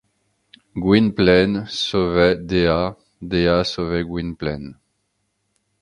Gwynplaine sauvait Dea, Dea sauvait Gwynplaine.